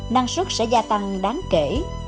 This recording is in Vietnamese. năng suất sẽ gia tăng đáng kể